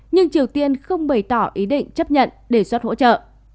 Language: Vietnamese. nhưng triều tiên không bày tỏ ý định chấp nhận đề xuất hỗ trợ